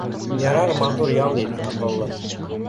— Ярар, матур ял ит, аҡыллым